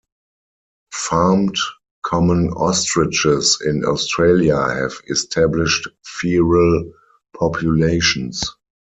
Farmed common ostriches in Australia have established feral populations.